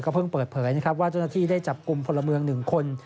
เพิ่งเปิดเผยนะครับว่าเจ้าหน้าที่ได้จับกลุ่มพลเมือง๑คน